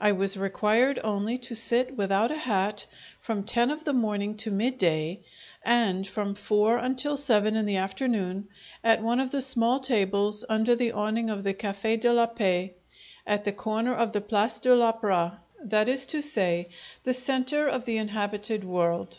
I was required only to sit without a hat from ten of the morning to midday, and from four until seven in the afternoon, at one of the small tables under the awning of the Cafe' de la Paix at the corner of the Place de l'Opera that is to say, the centre of the inhabited world.